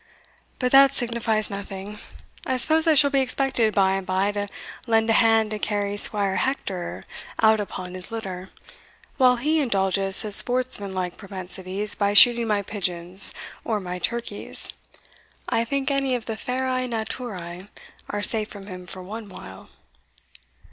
But that signifies nothing; I suppose I shall be expected by and by to lend a hand to carry Squire Hector out upon his litter, while he indulges his sportsmanlike propensities by shooting my pigeons, or my turkeys I think any of the ferae naturae are safe from him for one while."